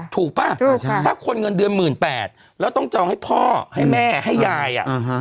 ถูกป่ะถ้าคนเงินเดือน๑๘๐๐แล้วต้องจองให้พ่อให้แม่ให้ยาย